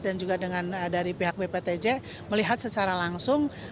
dan juga dengan dari pihak bptj melihat secara langsung